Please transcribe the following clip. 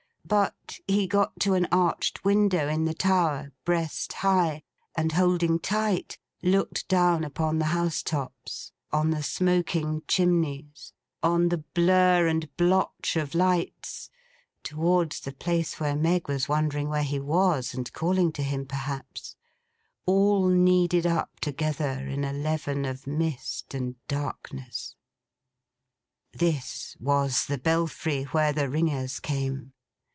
But, he got to an arched window in the tower, breast high, and holding tight, looked down upon the house tops, on the smoking chimneys, on the blur and blotch of lights (towards the place where Meg was wondering where he was and calling to him perhaps), all kneaded up together in a leaven of mist and darkness. This was the belfry, where the ringers came.